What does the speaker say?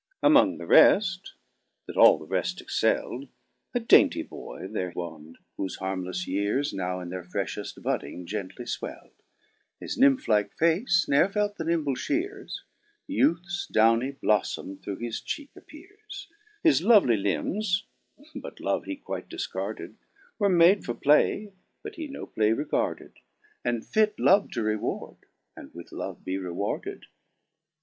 Among the reft, that all the reft excel'd, A dainty boy there wonn'd, whofe harmlefle yeares Now in their frelheft budding gently fweld ; His nimph like face nere felt the nimble flieeres, Youth's downy bloffome through his cheeke appeares ; His lovely limbes (but love he quite difcarded) Were made for play (but he no play regarded) And fit love to reward, and with love be rewarded.